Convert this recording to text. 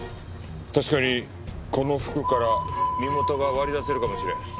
確かにこの服から身元が割り出せるかもしれん。